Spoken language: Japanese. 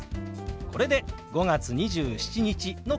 これで「５月２７日」の完成です。